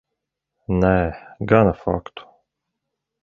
Nē, gana faktu.